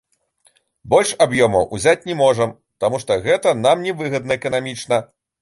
Больш аб'ёмаў ўзяць не можам, таму што гэта нам не выгадна эканамічна.